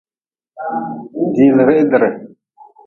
Diilrihdre.